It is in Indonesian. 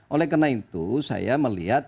oleh karena itu saya melihat